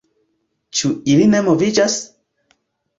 Ĉu ili ne moviĝas?